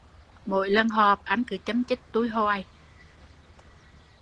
Mỗi lần họp, anh cứ châm chích tui hoài